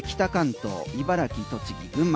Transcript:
東茨城栃木群馬